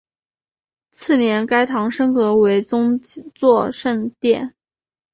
次年该堂升格为宗座圣殿。